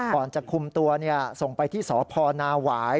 ก่อนจะคุมตัวส่งไปที่สพนาหวาย